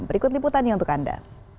berikut liputannya untuk anda